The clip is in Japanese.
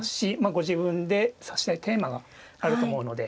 ご自分で指したいテーマがあると思うので。